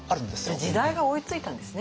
じゃあ時代が追いついたんですね。